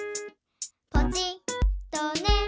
「ポチッとね」